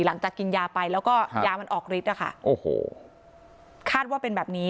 หลังจากกินยาไปแล้วก็ยามันออกฤทธินะคะโอ้โหคาดว่าเป็นแบบนี้